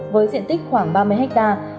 với diện tích khoảng ba mươi hectare